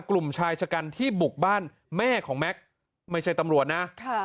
กลุ่มชายชะกันที่บุกบ้านแม่ของแม็กซ์ไม่ใช่ตำรวจนะ